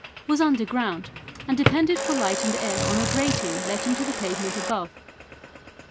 was underground and depended for light and air on a grating let into the pavement above.